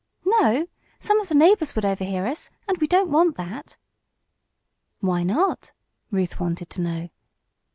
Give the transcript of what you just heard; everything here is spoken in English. "No, some of the neighbors would overhear us, and we don't want that." "Why not?" Ruth wanted to know.